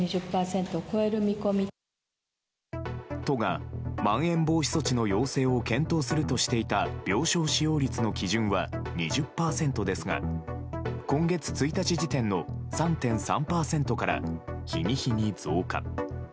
都が、まん延防止措置の要請を検討するとしていた病床使用率の基準は２０％ですが今月１日時点の３．３％から日に日に増加。